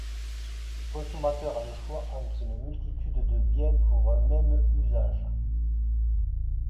Le consommateur a le choix entre une multitude de biens pour un même usage.